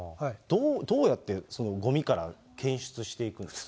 どうやってごみから検出していくんですか。